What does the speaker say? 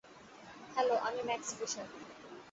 Hello, আমি Max fisher.